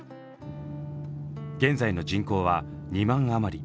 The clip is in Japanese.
現在の人口は２万余り。